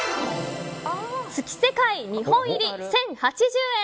月世界、２本入り１０８０円。